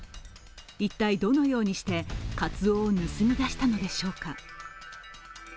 一体、どのようにしてカツオを盗み出したのでしょうか？